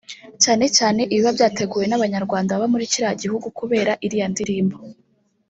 cyane cyane ibiba byateguwe n’Abanyarwanda baba muri kiriya gihugu kubera iriya ndirimbo